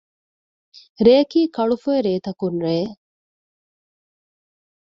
ރެއަކީ ކަޅުފޮއި ރޭތަކުން ރެއެއް